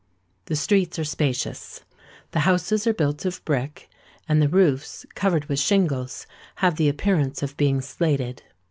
The streets are spacious: the houses are built of brick; and the roofs, covered with shingles, have the appearance of being slated.